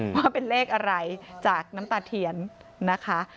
ว่าเป็นเลขอะไรจากน้ำตาเทียนนะคะ